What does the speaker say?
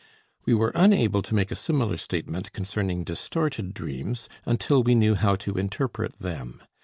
We were unable to make a similar statement concerning distorted dreams, until we knew how to interpret them.